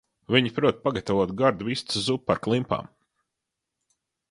Viņa prot pagatavot gardu vistas zupu ar klimpām.